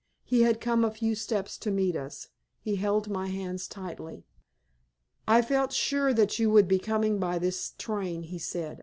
He had come a few steps to meet us. He held my hands tightly. "I felt sure that you would be coming by this train," he said.